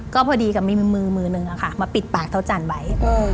ก็พอดีกับมีมือมือนึงมาปิดปากเท้าจันทร์ไว้